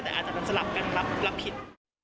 แต่อาจจะเป็นสลับกันรับผิด